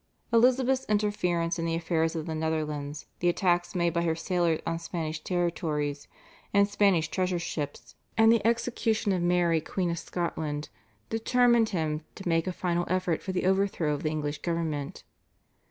Elizabeth's interference in the affairs of the Netherlands, the attacks made by her sailors on Spanish territories and Spanish treasure ships, and the execution of Mary Queen of Scotland determined him to make a final effort for the overthrow of the English government.